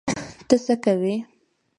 ته څه کوی؟